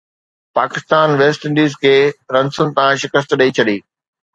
Pakistan West Indies کي رنسن تان شڪست ڏئي ڇڏي